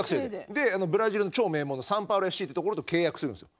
でブラジルの超名門のサンパウロＦＣってところと契約するんですよ。